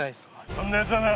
そんなやつはな